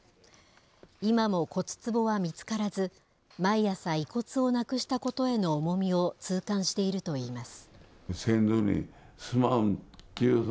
今も骨つぼは見つからず、毎朝、遺骨をなくしたことへの重みを痛感しているといいます。